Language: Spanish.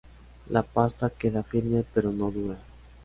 La pasta queda firme pero no dura.